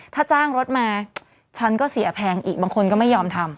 ถ้าจ้างรถมาฉันก็เสียแพงอีกบางคนก็ไม่ยอมทำ